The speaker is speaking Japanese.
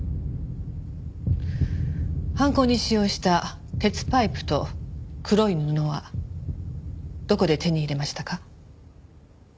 犯行に使用した鉄パイプと黒い布はどこで手に入れましたか？